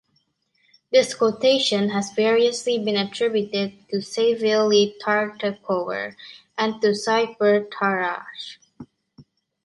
This quotation has variously been attributed to Savielly Tartakower and to Siegbert Tarrasch.